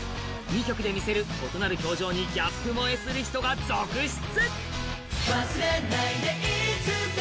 ２曲で見せる異なる表情にギャップもえする人が続出。